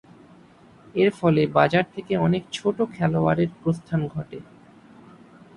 এর ফলে বাজার থেকে অনেক ছোট খেলোয়াড়ের প্রস্থান ঘটে।